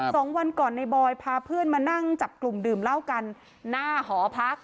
สองวันก่อนในบอยพาเพื่อนมานั่งจับกลุ่มดื่มเหล้ากันหน้าหอพัก